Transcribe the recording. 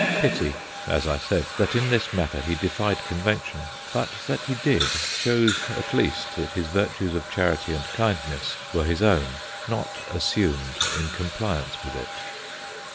Pity, as I said, that in this matter he defied conven tion, but that he did so shows at least that his virtues of charity and kindness were his own, not assumed in compliance with it.